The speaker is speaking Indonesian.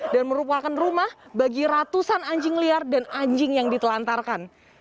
dan merupakan rumah bagi ratusan anjing liar dan anjing yang ditelantarkan